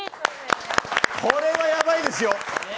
これはやばいですよ！